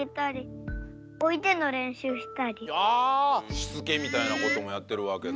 しつけみたいなこともやってるわけだ。